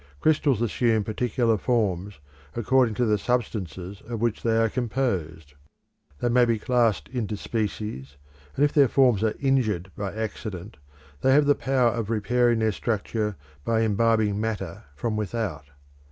Crystals assume particular forms according to the substances of which they are composed; they may be classed into species, and if their forms are injured by accident, they have the power of repairing their structure by imbibing matter from without.